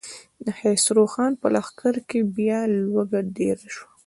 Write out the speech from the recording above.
د خسرو خان په لښکر کې بيا لوږه ډېره شوه.